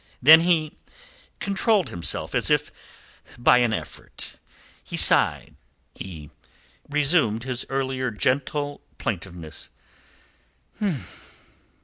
Then he controlled himself as if by an effort. He sighed. He resumed his earlier gentle plaintiveness.